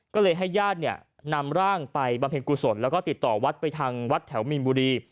ก็เลยให้ญาติเนี่ยนำร่างไปบำเพ็ญกุศลแล้วก็ติดต่อวัดไปทางวัดแถวมีนบุรี